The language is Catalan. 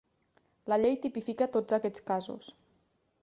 La llei tipifica tots aquests casos.